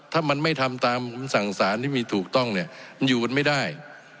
ถ้ามันไม่ทำตามคำสั่งสารที่มีถูกต้องเนี่ยมันอยู่กันไม่ได้